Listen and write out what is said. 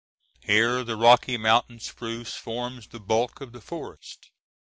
Here the Rocky Mountain spruce forms the bulk of the forest.